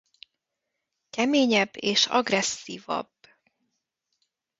Keményebb és agresszívabb.